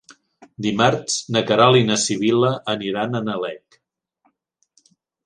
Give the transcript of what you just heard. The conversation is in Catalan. Dimarts na Queralt i na Sibil·la aniran a Nalec.